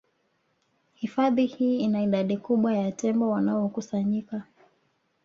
Hifadhi hii ina idadi kubwa ya tembo wanaokusanyika